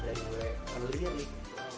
dari gue lirik